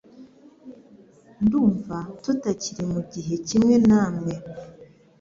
Ndumva tutakiri mugihe kimwe namwe